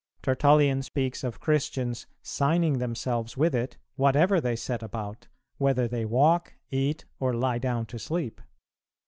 Tertullian speaks of Christians signing themselves with it whatever they set about, whether they walk, eat, or lie down to sleep.